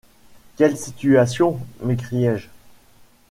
Quelle situation ! m’écriai-je.